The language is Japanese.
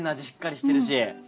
しっかりしてるし。